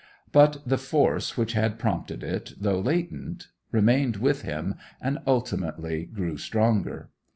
But the force which had prompted it, though latent, remained with him and ultimately grew stronger.